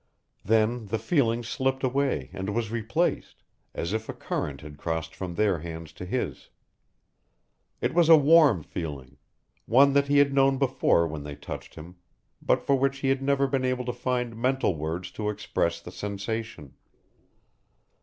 Then the feeling slipped away and was replaced as if a current had crossed from their hands to his. It was a warm feeling one that he had known before when they touched him, but for which he had never been able to find mental words to express the sensation.